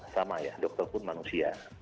sama ya dokter pun manusia